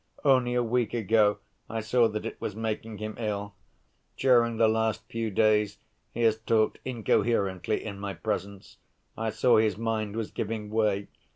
Only a week ago I saw that it was making him ill. During the last few days he has talked incoherently in my presence. I saw his mind was giving way.